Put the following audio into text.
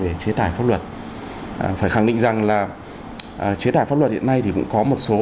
để chế tải pháp luật phải khẳng định rằng là chế tải pháp luật hiện nay thì cũng có một số